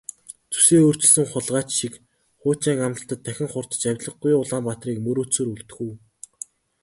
Зүсээ өөрчилсөн хулгайч шиг хуучин амлалтад дахин хууртаж авлигагүй Улаанбаатарыг мөрөөдсөөр үлдэх үү?